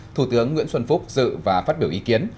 thủ tướng nguyễn xuân phúc dự và phát biểu ý kiến